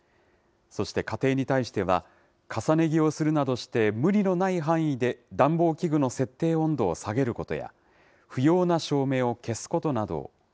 そして家庭に対しては、重ね着をするなどして、無理のない範囲で暖房器具の設定温度を下げることや、不要な照明を消すことなど。